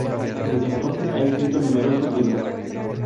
Desde entonces ha escrito numerosos libros.